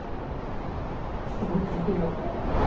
ちょっともう一回やってみようか。